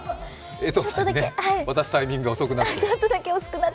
江藤さんに渡すタイミングが遅くなっちゃって。